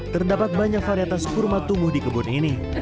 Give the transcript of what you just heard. terdapat banyak varietas kurma tumbuh di kebun ini